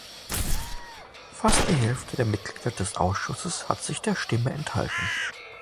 Fast die Hälfte der Mitglieder des Ausschusses hat sich der Stimme enthalten.